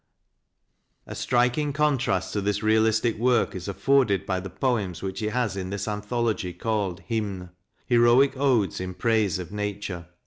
A striking contrast to this realistic work is afforded by the poems which he has in this anthology called " Hymnes " heroic odes in praise of nature.